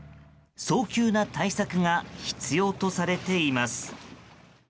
早急な対策が必要とされています。